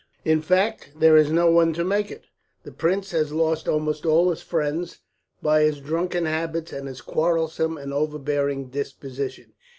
"In fact, there is no one to make it. The prince has lost almost all his friends, by his drunken habits and his quarrelsome and overbearing disposition.